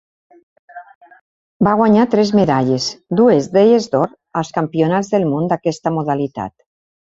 Va guanyar tres medalles, dues d'elles d'or, als Campionats del món d'aquesta modalitat.